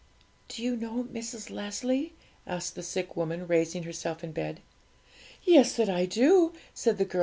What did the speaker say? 'Do you know Mrs. Leslie?' asked the sick woman, raising herself in bed. 'Yes, that I do,' said the girl.